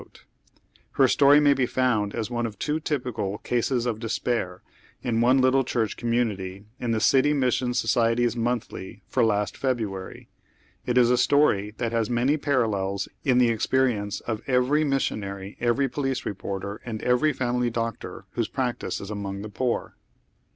Her story may be found as one of two typical " cases of despair " in one little cliur(;h community, in the Oity Mission Society's Monthly for last February. It is a atory tliat has many parallels in the experience of every missionarj', every police reporter and every family doctor whose practice ia among the poor.